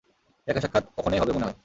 দেখা সাক্ষাত ওখনেই হবে মনে হয়।